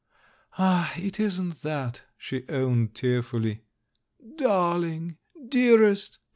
"Ah, it isn't that!" she owned tearfully. "Darling! Dearest!"